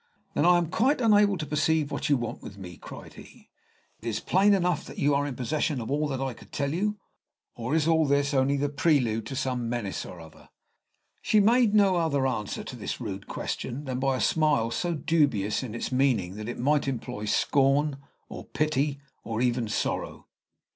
"Then I am quite unable to perceive what you want with me." cried he. "It is plain enough you are in possession of all that I could tell you. Or is all this only the prelude to some menace or other?" She made no other answer to this rude question than by a smile so dubious in its meaning, it might imply scorn, or pity, or even sorrow.